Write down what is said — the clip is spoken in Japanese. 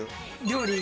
料理。